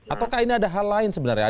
ataukah ini ada hal lain sebenarnya